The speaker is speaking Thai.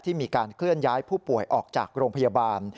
มีการเคลื่อนย้ายผู้ป่วยออกจากโรงพยาบาล